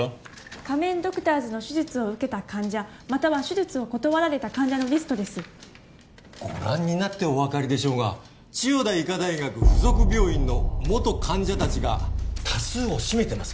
仮面ドクターズの手術を受けた患者または手術を断られた患者のリストですご覧になってお分かりでしょうが千代田医科大学附属病院の元患者達が多数を占めてます